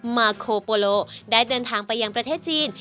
มาโคโปโลได้เดินทางไปยังประเทศจีน